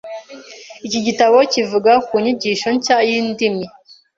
Iki gitabo kivuga ku nyigisho nshya y’indimi.